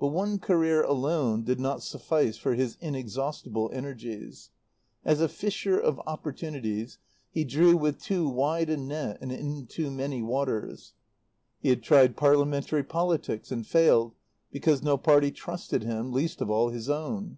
But one career alone did not suffice for his inexhaustible energies. As a fisher of opportunities he drew with too wide a net and in too many waters. He had tried parliamentary politics and failed because no party trusted him, least of all his own.